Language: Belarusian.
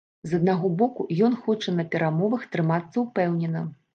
З аднаго боку, ён хоча на перамовах трымацца ўпэўнена.